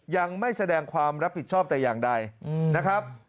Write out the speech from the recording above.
ยังไม่แสดงความรับผิดชอบแต่อย่างใดนะครับ